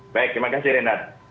baik terima kasih renat